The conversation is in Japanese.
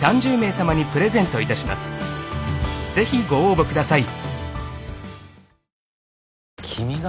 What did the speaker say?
［ぜひご応募ください］